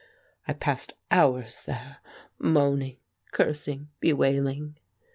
I passed hours there moaning, cursing, bewailing.